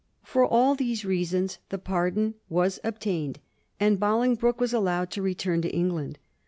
For all these reasons the pardon was obtained, and Bolingbroke was allowed to return to England.